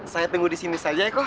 saya tunggu di sini saja ya kok